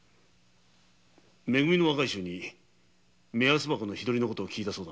「め組」の若い衆に目安箱の日取りの事を聞いたそうだが。